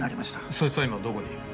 そいつは今どこにいる？